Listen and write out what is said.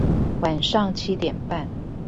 晚上七點半